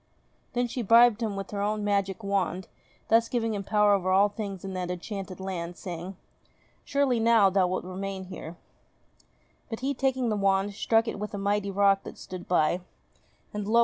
Then she bribed him with her own magic wand, thus giving him power over all things in that enchanted land, saying : "Surely now wilt thou remain here ?" But he, taking the wand, struck with it a mighty rock that stood by ; and lo